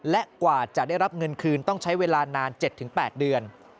และกว่าจะได้รับเงินคืนต้องใช้เวลานาน๗๘เดือน